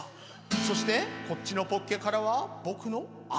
そしてこっちのポッケからは僕の青。